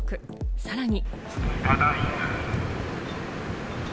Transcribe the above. さらに。